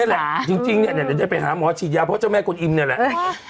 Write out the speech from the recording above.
แหละจริงเนี่ยเดี๋ยวจะไปหาหมอฉีดยาเพราะเจ้าแม่กลอิมเนี่ยแหละ